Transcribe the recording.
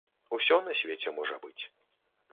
Усё на свеце можа быць.